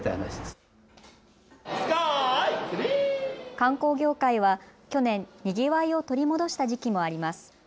観光業界は去年、にぎわいを取り戻した時期もあります。